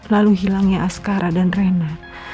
lalu hilangnya askara dan rena